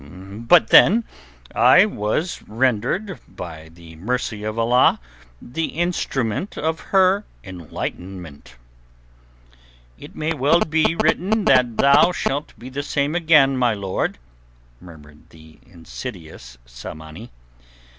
But then, by the mercy of Allah, I was rendered the instrument of her enlightenment." "It may well be written that thou shalt be the same again, my lord," murmured the insidious Tsamanni.